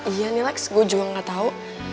iya nih lex gue juga gak tahu